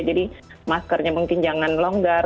jadi maskernya mungkin jangan longgar